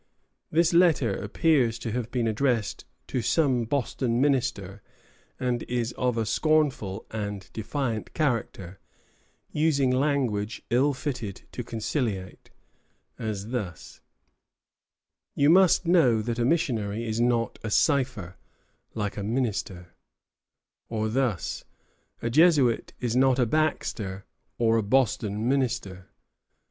This letter appears to have been addressed to some Boston minister, and is of a scornful and defiant character, using language ill fitted to conciliate, as thus: "You must know that a missionary is not a cipher, like a minister;" or thus: "A Jesuit is not a Baxter or a Boston minister."